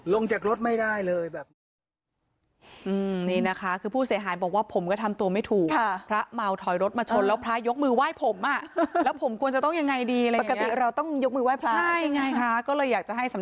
ลงจากรถไม่ได้เลย